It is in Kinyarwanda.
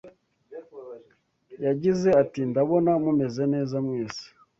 yagize ati ndabona mumeze neza mwese